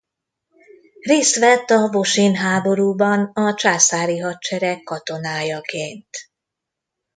Részt vett a Bosin-háborúban a Császári hadsereg katonájaként.